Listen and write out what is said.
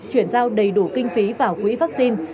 chuyển giao đầy đủ kinh phí vào quỹ vaccine